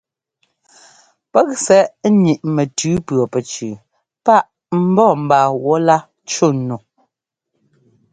Pɛ́k sɛ́ ńniꞌ mɛtʉ pʉɔpɛcu páꞌ ḿbɔ́ mba wɔ̌lá cú nu.